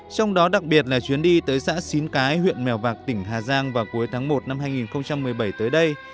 trong đó đặc biệt là chuyến đi tới xã xín cái huyện mèo vạc tỉnh hà giang vào cuối tháng một năm hai nghìn một mươi bảy tới đây